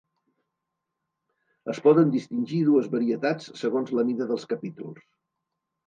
Es poden distingir dues varietats segons la mida dels capítols.